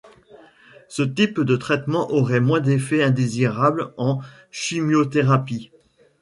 Ce type de traitement aurait moins d'effets indésirables en chimiothérapie.